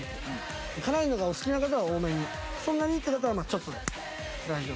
辛いのがお好きな方は多めにそんなにっていう方はちょっとで大丈夫です。